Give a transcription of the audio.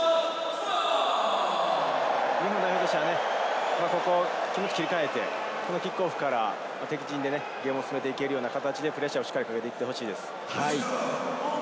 日本代表としては気持ちを切り替えてキックオフから敵陣でゲームを進めていけるようにプレッシャーをしっかりかけていってほしいです。